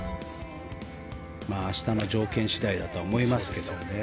明日の条件次第だとは思いますけど。